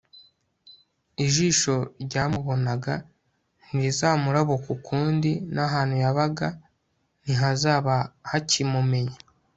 ijisho ryamubonaga, ntirizamurabukwa ukundi, n'ahantu yabaga ntihazaba hakimumenya